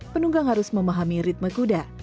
penunggang harus memahami ritme kuda